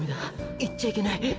いっちゃいけない」。